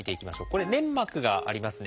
これ粘膜がありますね。